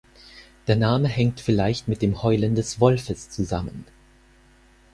Der Name hängt vielleicht mit dem Heulen des Wolfes zusammen.